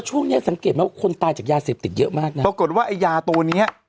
ช่วงเนี้ยสังเกตไหมว่าคนตายจากยาเสพติดเยอะมากนะปรากฏว่าไอ้ยาตัวเนี้ย